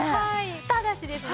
ただしですね